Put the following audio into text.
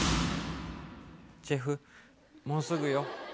ジェフもうすぐよ。